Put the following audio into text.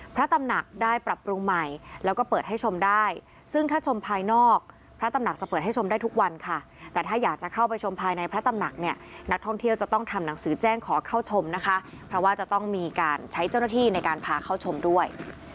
พระตำหนักได้ปรับปรุงใหม่แล้วก็เปิดให้ชมได้ซึ่งถ้าชมภายนอกพระตำหนักจะเปิดให้ชมได้ทุกวันค่ะแต่ถ้าอยากจะเข้าไปชมภายในพระตำหนักเนี่ยนักท่องเที่ยวจะต้องทำหนังสือแจ้งขอเข้าชมนะคะเพราะว่าจะต้องมีการใช้เจ้าหน้าที่ในการพาเข้าชมด้วย